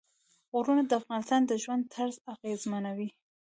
غرونه د افغانانو د ژوند طرز اغېزمنوي.